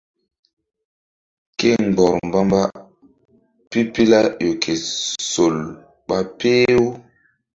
Ke mgbɔr mba-mba pipila ƴo ke sol ɓa peh-u.